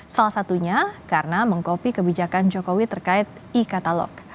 salah satunya karena mengkopi kebijakan jokowi terkait e katalog